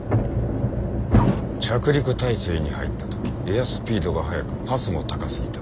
着陸態勢に入った時エアスピードが速くパスも高すぎた。